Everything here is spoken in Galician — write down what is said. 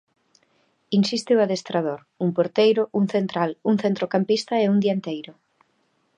Insiste o adestrador: un porteiro, un central, un centrocampista e un dianteiro.